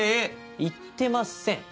言ってません。